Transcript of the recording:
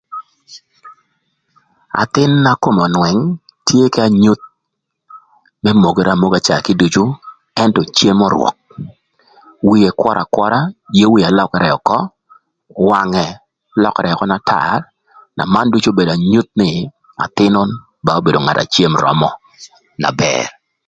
Athïn na kome önwëng tye k'anyuth më mogere amoga caa kiducu ëntö cemo rwök wie kwör akwöra, yee wie lökërë ökö, wangë lökërë ökö na tar na man ducu obedo anyuth nï athïn nön ba obedo ngat na cem römö na bër.